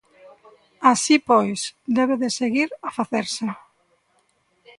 Así pois, debe de seguir a facerse.